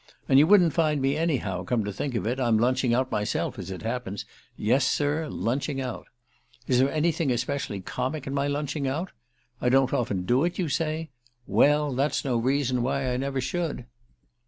And you wouldn't find me in anyhow, come to think of it. I'm lunching out myself, as it happens yes sir, lunching out. Is there anything especially comic in my lunching out? I don't often do it, you say? Well, that's no reason why I never should.